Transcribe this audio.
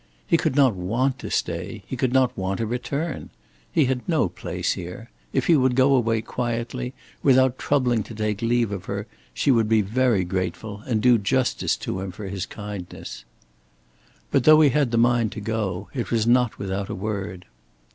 He could not want to stay; he could not want to return. He had no place here. If he would go away quietly, without troubling to take leave of her, she would be very grateful and do justice to him for his kindness. But though he had the mind to go, it was not without a word.